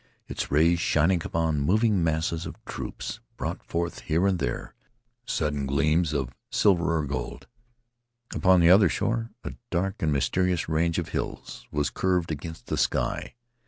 Its rays, shining upon the moving masses of troops, brought forth here and there sudden gleams of silver or gold. Upon the other shore a dark and mysterious range of hills was curved against the sky.